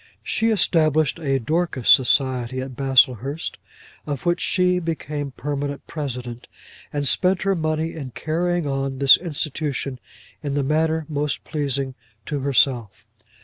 She established a Dorcas society at Baslehurst, of which she became permanent president, and spent her money in carrying on this institution in the manner most pleasing to herself.